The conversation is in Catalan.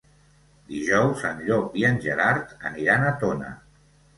Dijous en Llop i en Gerard aniran a Tona.